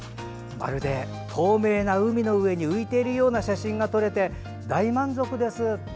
まるで透明な海の上に浮いているような写真が撮れて大満足です。